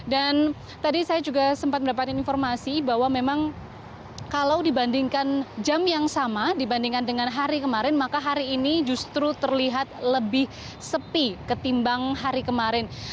dan tadi saya juga sempat mendapatkan informasi bahwa memang kalau dibandingkan jam yang sama dibandingkan dengan hari kemarin maka hari ini justru terlihat lebih sepi ketimbang hari kemarin